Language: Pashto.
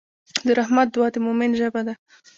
د رحمت دعا د مؤمن ژبه ده.